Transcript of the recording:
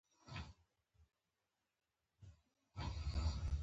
نور الله استاذ صېب د چاے نه ګوټ کولو